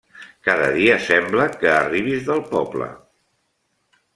Cada dia sembla que arribis del poble.